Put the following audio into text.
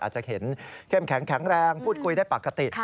อาจจะเห็นเข้มแข็งแรงพูดคุยได้ปกติ